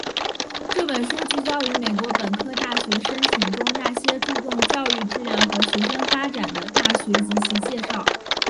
这本书聚焦于美国本科大学申请中那些注重教育质量和学生发展的大学及其介绍。